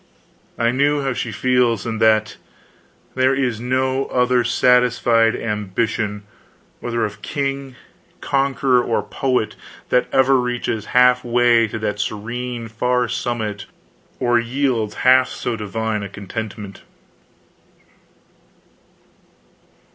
I knew how she feels, and that there is no other satisfied ambition, whether of king, conqueror, or poet, that ever reaches half way to that serene far summit or yields half so divine a contentment.